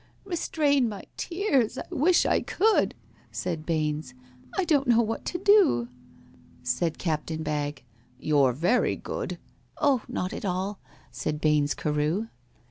"Restrain my tears I wish I could" (Said BAINES), "I don't know what to do." Said CAPTAIN BAGG, "You're very good." "Oh, not at all," said BAINES CAREW.